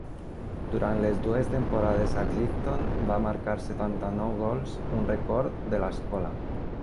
Durant les dues temporades a Clifton, va marcar setanta-nou gols, un rècord de l'escola.